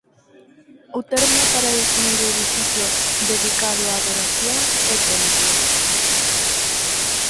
O termo para definir o edificio dedicado a adoración é Templo.